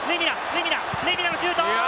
レミナのシュート！